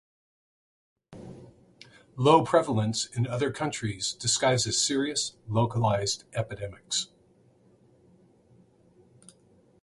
Low prevalence in other countries disguises serious, localized epidemics.